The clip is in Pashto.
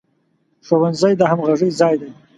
ښوونځی د همغږۍ ځای دی